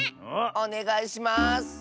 おねがいします！